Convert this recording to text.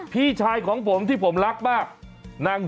พี่ชายของผมที่ผมรักมาก